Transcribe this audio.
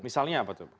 misalnya apa tuh